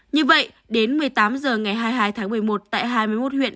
như vậy đến một mươi tám h ngày hai mươi hai tháng một mươi một tại hai mươi một huyện